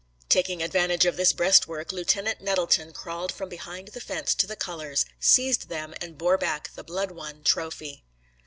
Taking advantage of this breastwork, Lieutenant Nettleton crawled from behind the fence to the colors, seized them, and bore back the blood won trophy.